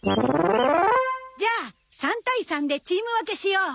じゃあ３対３でチーム分けしよう。